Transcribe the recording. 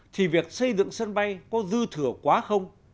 thì việc xây dựng sân bay có dư thừa quá không